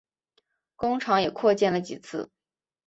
工厂也扩建了几次。